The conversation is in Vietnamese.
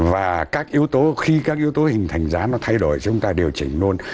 và khi các yếu tố hình thành giá nó thay đổi chúng ta điều chỉnh luôn